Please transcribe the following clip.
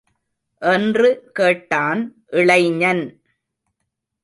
என்று கேட்டான் இளைஞன்.